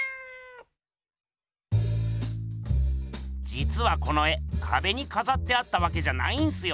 じつはこの絵かべにかざってあったわけじゃないんすよ。